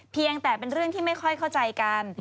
เพียงแต่เป็นเรื่องที่ไม่ค่อยเข้าใจกัน